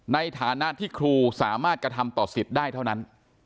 ในฐานะที่ครูสามารถกระทำต่อสิทธิ์ได้เท่านั้น